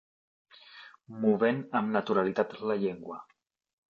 Movent amb naturalitat la llengua